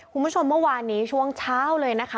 คุณผู้ชมเมื่อวานนี้ช่วงเช้าเลยนะคะ